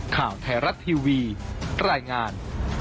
ข่าวไทยรัฐทีวีรายงาน